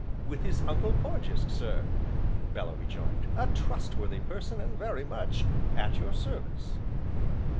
"With his Uncle Porges, sir," Bellew rejoined, "a trustworthy person, and very much at your service."